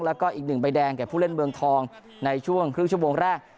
แล้วก็อีกหนึ่งใบแดงแก่ผู้เล่นเมืองทองในช่วงครึ่งชั่วโมงแรก